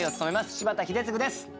柴田英嗣です。